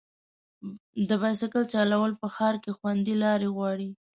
د بایسکل چلول په ښار کې خوندي لارې غواړي.